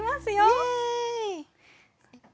イエーイ！